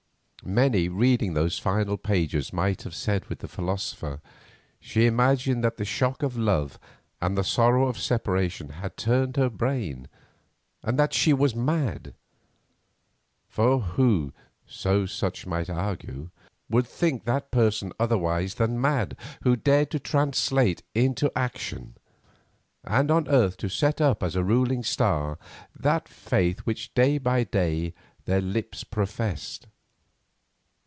Many reading those final pages might have said with the philosopher she imagined that the shock of love and the sorrow of separation had turned her brain, and that she was mad. For who, so such might argue, would think that person otherwise than mad who dared to translate into action, and on earth to set up as a ruling star, that faith which day by day their lips professed.